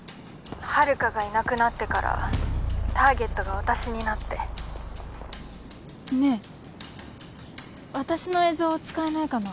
☎遙がいなくなってからターゲットが私になってねえ私の映像使えないかな？